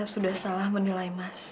sudah salah menilai mas